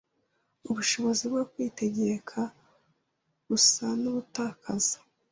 ubushobozi bwo kwitegeka busa n’ubutakaza